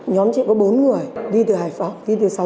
nhóm chị có bốn người đi từ hải phòng đi từ sáu ở sáu